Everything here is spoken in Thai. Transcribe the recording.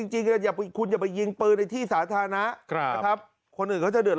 จริงคุณอย่าไปยิงปืนในที่สาธารณะนะครับคนอื่นเขาจะเดือ